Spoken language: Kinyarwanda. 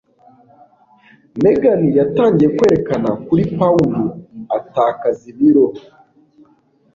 Megan yatangiye kwerekana kuri pound atakaza ibiro.